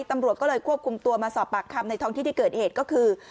ตำรวจก็เลยควบคุมตัวมาสอบปากคำในท้องที่ที่เกิดเหตุก็คือ